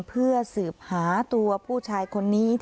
เพื่อสืบหาตัวผู้ชายคนนี้